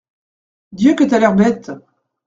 Dieu que t'as l'air bête !